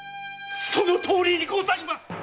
そのとおりにございます！